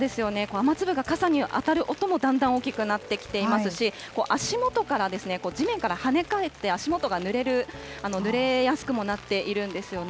雨粒が傘に当たる音もだんだん大きくなってきていますし、足元から地面から跳ね返って、足元がぬれやすくもなっているんですよね。